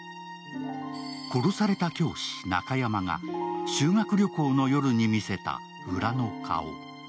殺された教師・中山が、修学旅行の夜に見せた裏の顔。